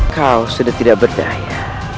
kau sudah tidak berdaya